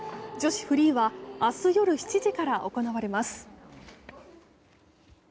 女子フリーは明日夜７時から行われます。